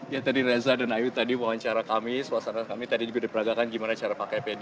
ya tadi reza dan ayu tadi wawancara kami suasana kami tadi juga diperagakan gimana cara pakai pd